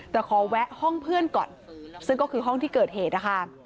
แต่ขอแวะห้องเพื่อนก่อนซึ่งก็คือห้องที่เกิดเหตุนะคะ